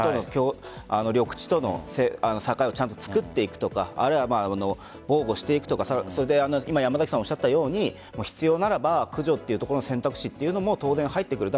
緑地との境をちゃんと作っていくとか防護していくとか山崎さんがおっしゃったように必要ならば駆除というところの選択肢も当然、入ってくると。